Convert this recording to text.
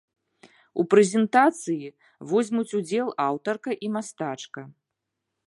У прэзентацыі возьмуць удзел аўтарка і мастачка.